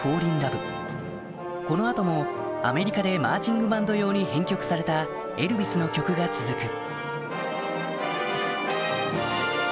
この後もアメリカでマーチングバンド用に編曲されたエルヴィスの曲が続く